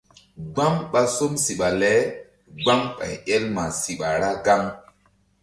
Gbam ɓa som siɓa le gbam ɓay el ma siɓa ra gaŋ.